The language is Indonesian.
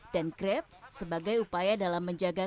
dan krep sebagai upaya dalam menjaga